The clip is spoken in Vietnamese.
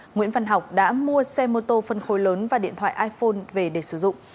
nguyễn văn học đã mua xe mô tô phân khối lớn và điện thoại iphone về để sử dụng